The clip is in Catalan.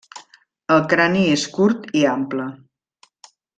El crani és curt i ample.